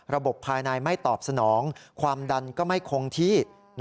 ภายในไม่ตอบสนองความดันก็ไม่คงที่